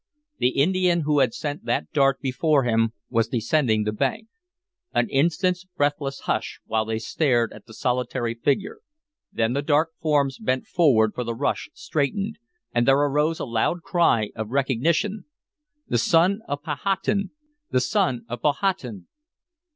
The Indian who had sent that dart before him was descending the bank. An instant's breathless hush while they stared at the solitary figure; then the dark forms bent forward for the rush straightened, and there arose a loud cry of recognition. "The son of Powhatan! The son of Powhatan!"